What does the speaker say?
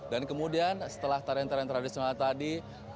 dan kemudian setelah tarian tarian tradisional tadi